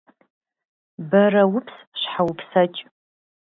Бэрэупс щхьэ упсэкӏ!